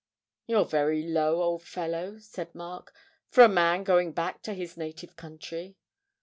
'You're very low, old fellow,' said Mark, 'for a man going back to his native country.'